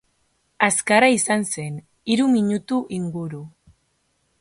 Azkarra izan zen, hiru minutu inguru.